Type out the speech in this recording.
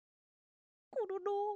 コロロ？